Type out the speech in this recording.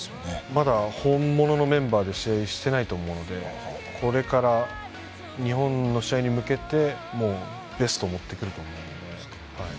まだ本物のメンバーで試合をしていないと思うのでこれから日本の試合に向けてベストを持ってくると思うので。